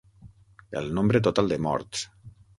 El nombre total de morts.